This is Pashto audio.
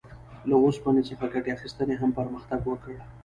له اوسپنې څخه ګټې اخیستنې هم پرمختګ وکړ.